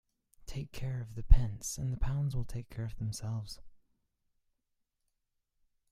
Take care of the pence and the pounds will take care of themselves.